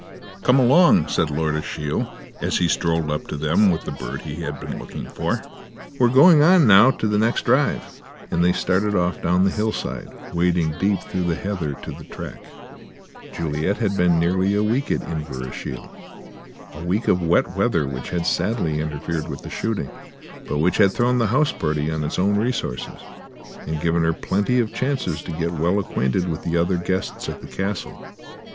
"Come along," said Lord Ashiel, as he strolled up to them with a bird he had been looking for, "we're going on now to the next drive," and they started off down the hillside, wading deep through the heather to the track. Juliet had been nearly a week at Inverashiel. A week of wet weather which had sadly interfered with the shooting, but which had thrown the house party on its own resources and given her plenty of chances to get well acquainted with the other guests at the castle.